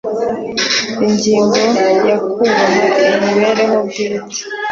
Ingingo ya Kubaha imibereho bwite